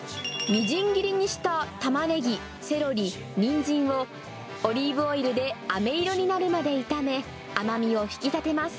みじん切りにしたタマネギ、セロリ、ニンジンを、オリーブオイルであめ色になるまで炒め、甘みを引き立てます。